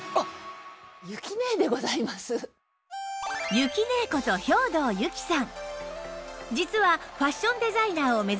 ゆきねえこと兵藤ゆきさん